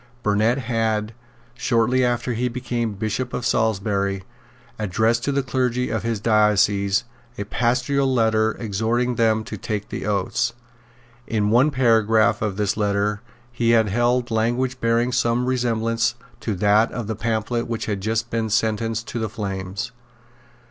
Burnet had, shortly after he became Bishop of Salisbury, addressed to the clergy of his diocese a Pastoral Letter, exhorting them to take the oaths. In one paragraph of this letter he had held language bearing some resemblance to that of the pamphlet which had just been sentenced to the flames.